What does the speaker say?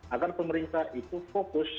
agar pemerintah itu fokus